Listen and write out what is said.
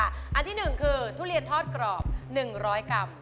อันที่๑คือทุเรียนทอดกรอบ๑๐๐กรัม